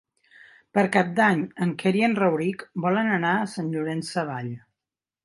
Per Cap d'Any en Quer i en Rauric volen anar a Sant Llorenç Savall.